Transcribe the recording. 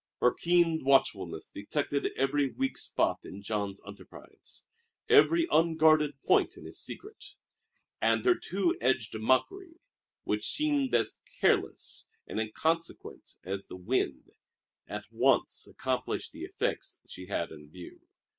Her keen watchfulness detected every weak spot in Jean's enterprise, every unguarded point in his secret; and her two edged mockery, which seemed as careless and inconsequent as the wind, at once accomplished the effects she had in view.